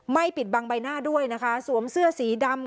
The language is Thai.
ปิดบังใบหน้าด้วยนะคะสวมเสื้อสีดำ